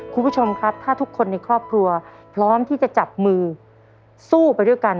คุณผู้ชมครับถ้าทุกคนในครอบครัวพร้อมที่จะจับมือสู้ไปด้วยกัน